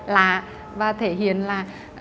lạ và thể hiện là